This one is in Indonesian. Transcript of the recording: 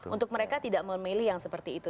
untuk mereka tidak memilih yang seperti itu